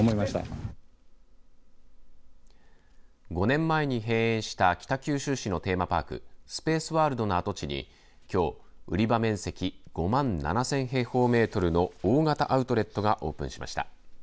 ５年前に閉園した北九州市のテーマパークスペースワールドの跡地にきょう売り場面積５万７０００平方メートルの大型アウトレットがオープンしました。